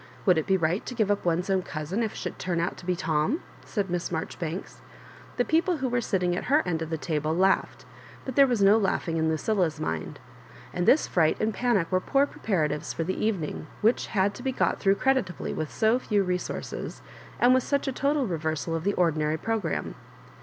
Would it be right to give up one's 0¥m cousin if it should turn out to be Tom ?" said Miss Maijoribanks. The people who were sitting at her end of the table laughed, but there was no laughing in Lucilla's mind. And this fright and panic were poor preparatives for the evening, wbuih had to be got through creditably with so few resources, and with such a total re versal of the ordinary programme.